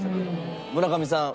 村上さん。